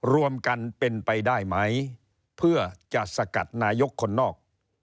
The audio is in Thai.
รวมกันเป็นไปได้ไหมเพื่อจะสกัดนายกคนนอก